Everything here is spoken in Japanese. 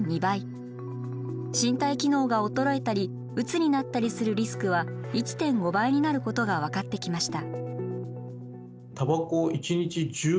身体機能が衰えたりうつになったりするリスクは１．５倍になることが分かってきました。